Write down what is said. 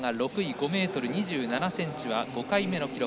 ５ｍ２７ｃｍは５回目の記録。